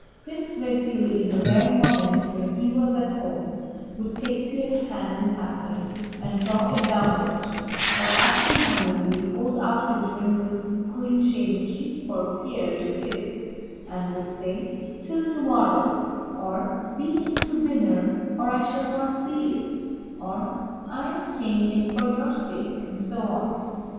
Prince Vasíli, in the rare moments when he was at home, would take Pierre's hand in passing and draw it downwards, or absent mindedly hold out his wrinkled, clean shaven cheek for Pierre to kiss and would say: "Till tomorrow," or, "Be in to dinner or I shall not see you," or, "I am staying in for your sake," and so on.